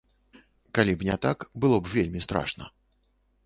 Калі б не так, было б вельмі страшна.